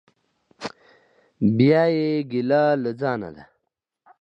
بیا یې ګیله له ځانه ده.